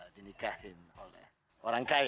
dini kahin oleh orang kaya